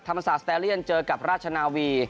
ธรรมศาสตร์สแตเรียนเจอกับราชนาวี